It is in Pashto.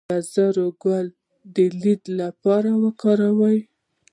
د ګازرې ګل د لید لپاره وکاروئ